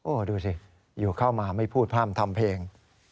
ดูสิอยู่เข้ามาไม่พูดพร่ำทำเพลง